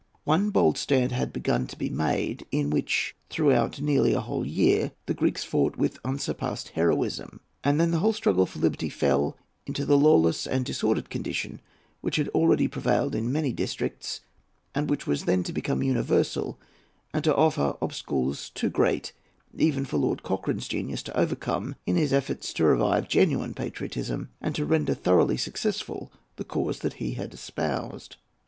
One bold stand had begun to be made, in which, throughout nearly a whole year, the Greeks fought with unsurpassed heroism, and then the whole struggle for liberty fell into the lawless and disordered condition which already had prevailed in many districts, and which was then to become universal and to offer obstacles too great even for Lord Cochrane's genius to overcome in his efforts to revive genuine patriotism and to render thoroughly successful the cause that he had espoused.